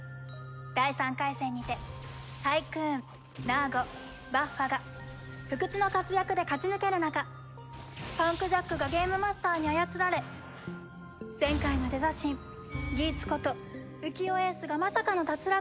第３回戦にてタイクーンナーゴバッファが不屈の活躍で勝ち抜ける中パンクジャックがゲームマスターに操られ前回のデザ神ギーツこと浮世英寿がまさかの脱落！？